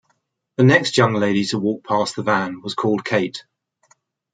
The next young lady to walk past the van was called Kate.